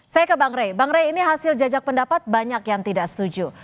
saya ke bang rey bang rey ini hasil jajak pendapat banyak yang tidak setuju